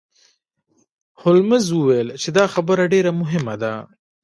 هولمز وویل چې دا خبره ډیره مهمه ده.